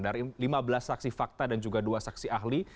dari lima belas saksi fakta dan juga dua saksi ahli